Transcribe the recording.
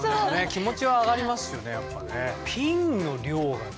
気持ちは上がりますよねやっぱね。